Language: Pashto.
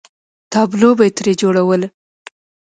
تابلو به یې ترې جوړوله.